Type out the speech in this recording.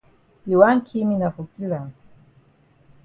You wan ki me na for kill am.